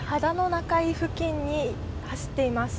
中井付近を走っています。